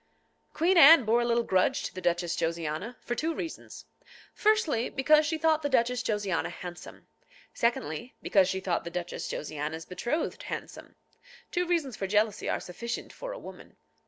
Queen Anne bore a little grudge to the Duchess Josiana, for two reasons. Firstly, because she thought the Duchess Josiana handsome. Secondly, because she thought the Duchess Josiana's betrothed handsome. Two reasons for jealousy are sufficient for a woman.